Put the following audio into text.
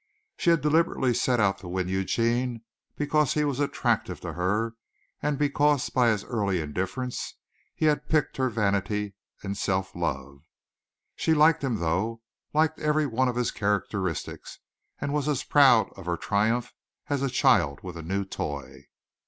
She had deliberately set out to win Eugene because he was attractive to her and because, by his early indifference, he had piqued her vanity and self love. She liked him though, liked every one of his characteristics, and was as proud of her triumph as a child with a new toy.